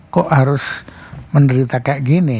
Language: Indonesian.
kok harus menderita kayak gini